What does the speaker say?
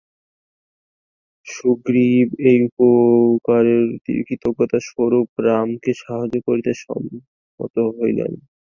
সুগ্রীব এই উপকারের কৃতজ্ঞতা- স্বরূপ রামকে সাহায্য করিতে সম্মত হইলেন।